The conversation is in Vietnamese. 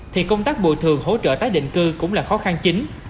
thì công tác bồi thường hỗ trợ tái định cư cũng là khó khăn chính